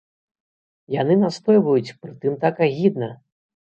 Яны настойваюць, прытым так агідна!